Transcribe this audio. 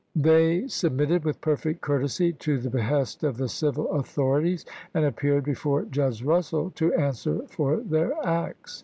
They submitted with perfect courtesy to the behest of the civil authorities, and appeared before Judge Russell to answer for their acts.